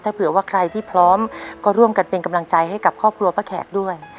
ถ้าเผื่อว่าใครที่พร้อมก็ร่วมกันเป็นกำลังใจให้กับครอบครัวป้าแขกด้วย